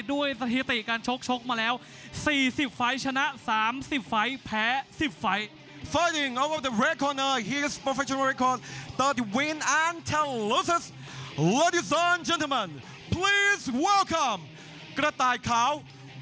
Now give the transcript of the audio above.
สถิติการชกชกมาแล้ว๔๐ไฟล์ชนะ๓๐ไฟล์แพ้๑๐ไฟล์